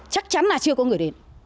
chắc chắn là chưa có người đến